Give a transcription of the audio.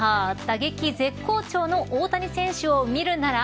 打撃絶好調の大谷選手を見るなら。